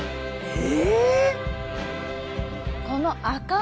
え！